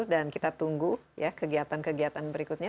dan kita tunggu kegiatan kegiatan berikutnya